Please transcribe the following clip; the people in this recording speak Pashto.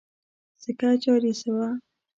سکه جاري شوه.